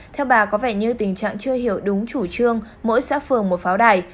theo bà có vẻ như tình trạng chưa hiểu đúng chủ trương mỗi xã phường một pháo đài